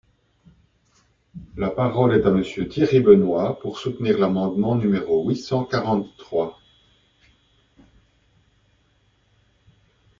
La parole est à Monsieur Thierry Benoit, pour soutenir l’amendement numéro huit cent quarante-trois.